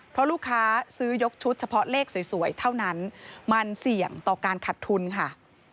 เพราะลูกค้าซื้อยกชุดเฉพาะเลขสวยเท่านั้นมันเสี่ยงต่อการขัดทุนค่ะ